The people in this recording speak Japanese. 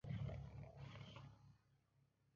ボンゴレ雨の守護者の使命は、流れた血を洗い流す鎮魂歌の雨